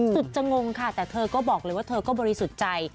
สุดจะงงค่ะแต่เธอก็บอกเลยว่าเธอก็บริสุทธิ์ใจ